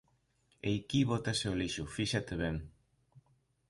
_Eiquí bótase o lixo, fíxate ben.